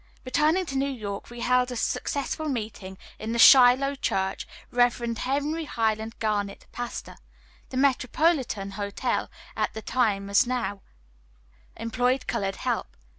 Returning to New York, we held a successful meeting at the Shiloh Church, Rev. Henry Highland Garnet, pastor. The Metropolitan Hotel, at that time as now, employed colored help.